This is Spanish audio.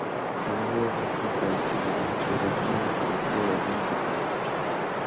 Colombia es el quinto país con el que Guatemala estableció relaciones diplomáticas.